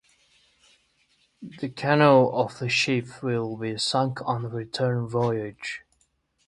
The canoe of the chief will be sunk on the return voyage.